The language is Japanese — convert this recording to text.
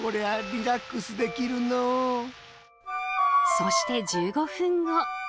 そして１５分後。